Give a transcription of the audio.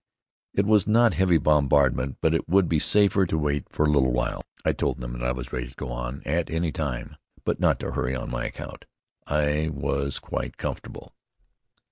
It was not heavy bombardment, but it would be safer to wait for a little while. I told them that I was ready to go on at any time, but not to hurry on my account; I was quite comfortable.